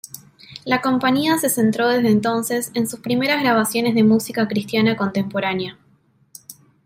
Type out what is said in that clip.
La compañía se centró desde entonces en sus primeras grabaciones de música cristiana contemporánea.